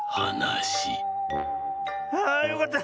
ああよかった！